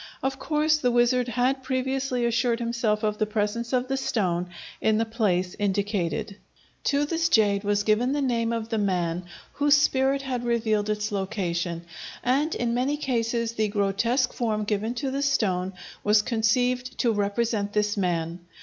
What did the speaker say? Of course the wizard had previously assured himself of the presence of the stone in the place indicated. To this jade was given the name of the man whose spirit had revealed its location, and in many cases the grotesque form given to the stone was conceived to represent this man.